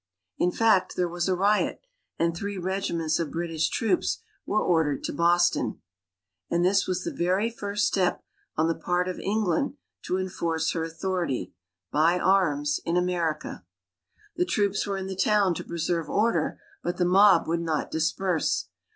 In fact, there was a riot, and three regiments of British troops were ordered to Boston. And this was the very first step on the part of England to enforce her authority, by arms, in America. The troops were in the town to preserve order, but the mob would not disperse.